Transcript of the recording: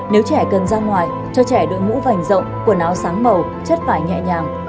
nếu trẻ cần ra ngoài cho trẻ đội ngũ vành rộng quần áo sáng màu chất vải nhẹ nhàng